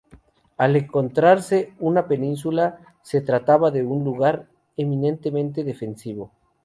Al encontrarse en una península, se trataba de un lugar eminentemente defensivo.